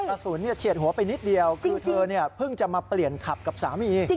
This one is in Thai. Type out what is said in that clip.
เฉียดหัวไปนิดเดียวคือเธอเพิ่งจะมาเปลี่ยนขับกับสามี